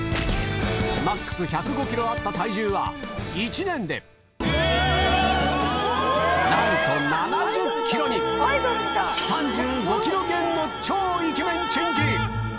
ＭＡＸ１０５ｋｇあった体重は１年でなんと３５ｋｇ減の超イケメンチェンジ！